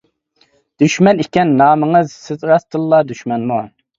دۈشمەن ئىكەن نامىڭىز، سىز راستتىنلا دۈشمەنمۇ.